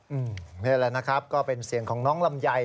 อืมแค่นี้แหละครับก็เป็นเสียงของน้องลามยัย